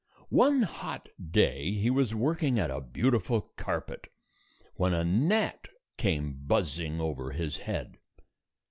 One hot day, he was working at a beautiful carpet, when a gnat came buzzing over his head.